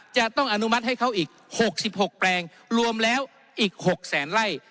จะต้องอนุมัติให้เขาอีก๖๖แปลงรวมแล้วอีก๖แสนไล่